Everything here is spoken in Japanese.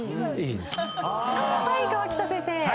はい河北先生。